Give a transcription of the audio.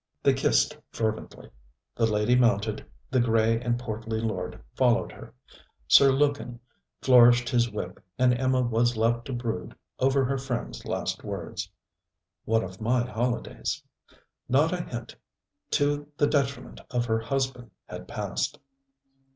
They kissed fervently. The lady mounted; the grey and portly lord followed her; Sir Lukin flourished his whip, and Emma was left to brood over her friend's last words: 'One of my holidays.' Not a hint to the detriment of her husband had passed.